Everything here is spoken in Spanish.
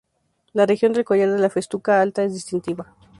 La región del collar de la festuca alta es distintiva.